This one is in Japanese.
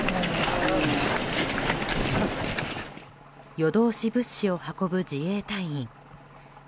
夜通し、物資を運ぶ自衛隊員。